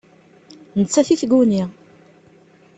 Nettat i tguni.